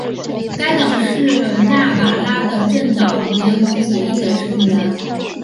该党是纳瓦拉的政党联盟左翼的成员。